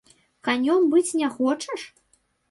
Канём быць не хочаш?